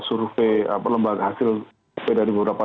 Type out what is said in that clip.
survei apa lembaga hasil dari beberapa